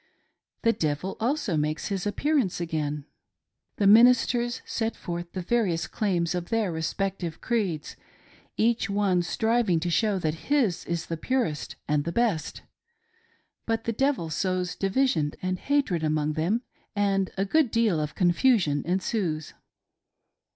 The devil also makes his appearance again. The ministers set forth the various claims of their respective creeds, — each one striving to show that his is the purest and the best, — but the devil sows division and hatred among them, and a good deal of confusion ensues.